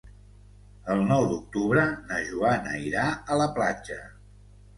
El nou d'octubre na Joana irà a la platja.